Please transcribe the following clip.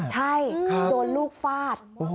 ใช่โดนลูกฟาด